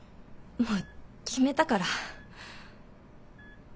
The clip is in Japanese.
もう決めたから。